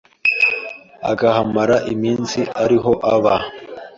akahamara iminsi ariho aba